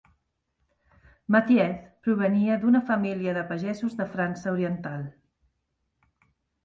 Mathiez provenia d'una família de pagesos de França oriental.